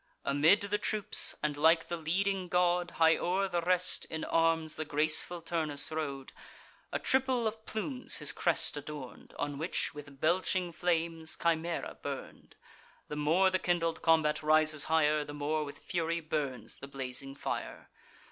Amid the troops, and like the leading god, High o'er the rest in arms the graceful Turnus rode: A triple of plumes his crest adorn'd, On which with belching flames Chimaera burn'd: The more the kindled combat rises high'r, The more with fury burns the blazing fire.